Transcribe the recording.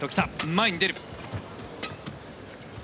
前に出る。